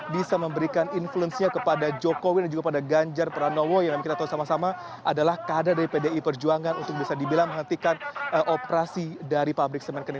bisa memberikan influence nya kepada jokowi dan juga pada ganjar pranowo yang kita tahu sama sama adalah kader dari pdi perjuangan untuk bisa dibilang menghentikan operasi dari pabrik semen kendi